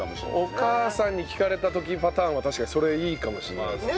お母さんに聞かれた時パターンは確かにそれいいかもしれないですね。